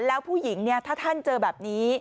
แล้วผู้หญิงเนี่ยถ้าท่านเจอแบบนี้